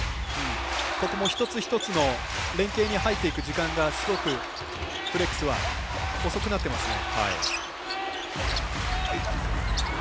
ここも一つ一つの連係に入っていく時間がすごくブレックスは遅くなっていますね。